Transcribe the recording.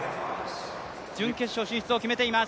準決勝進出を決めています。